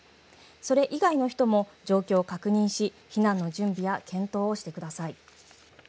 それ以外の人も状況を確認し避難の準備や検討をしてください。